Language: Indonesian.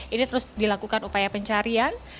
ini terus dilakukan upaya pencarian